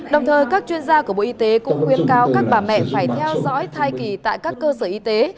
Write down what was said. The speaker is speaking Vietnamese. đồng thời các chuyên gia của bộ y tế cũng khuyên cáo các bà mẹ phải theo dõi thai kỳ tại các cơ sở y tế